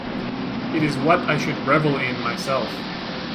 It is what I should revel in myself.